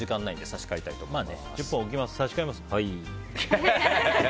差し替えます。